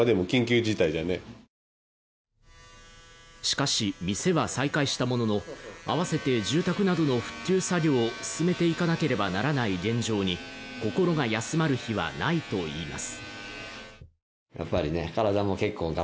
しかし、店は再開したものの、あわせて住宅などの復旧作業を進めていかなければならない現状に、心が休まる日はないといいます。